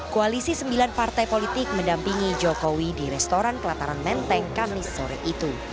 koalisi sembilan partai politik mendampingi jokowi di restoran kelataran menteng kamis sore itu